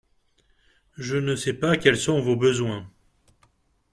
Je ne sais pas quels sont vos besoins